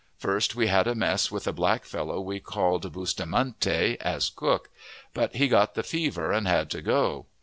First, we had a mess with a black fellow we called Bustamente as cook; but he got the fever, and had to go.